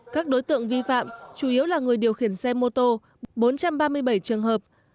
các đối tượng vi phạm chủ yếu là người điều khiển xe mô tô bốn trăm ba mươi bảy trường hợp